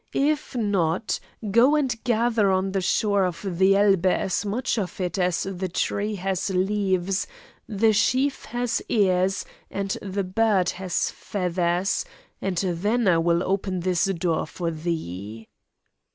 If not, go and gather on the shore of the Elbe as much of it as the tree has leaves, the sheaf has ears, and the bird has feathers, and then I will open this door for thee."